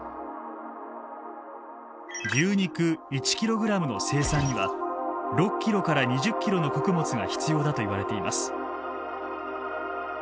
牛肉１ｋｇの生産には６ｋｇから２０ｋｇの穀物が必要だといわれています。